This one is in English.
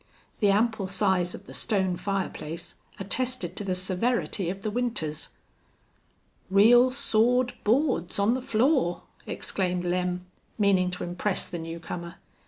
The ample size of the stone fireplace attested to the severity of the winters. "Real sawed boards on the floor!" exclaimed Lem, meaning to impress the new comer.